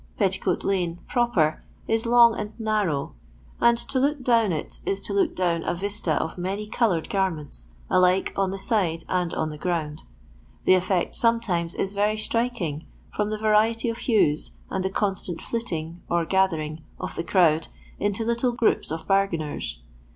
Petticoat lane proper is longand narrow, and to look down it is to look down a vista of many coloured garments, alike on the sides and on the ground. The effect sometimes is very striking, firom the variety of hues, and the constant flitting, or gathering, of the crowd into little groups of bargainers.